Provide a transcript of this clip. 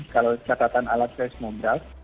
kalau catatan alat saya semobras